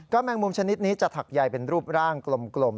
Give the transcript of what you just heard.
แมงมุมชนิดนี้จะถักใยเป็นรูปร่างกลม